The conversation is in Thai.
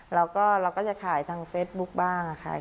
แล้วก็เราก็จะขายทางเฟซบุ๊คบ้างค่ะ